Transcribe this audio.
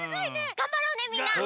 がんばろうねみんな！